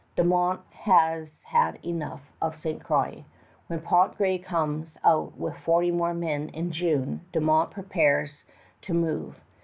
De Monts has had enough of Ste. Croix. When Pontgravé comes out with forty more men in June, De Monts prepares to move.